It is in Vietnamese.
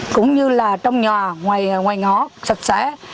cũng như là trong nhà ngoài ngõ sạch sẽ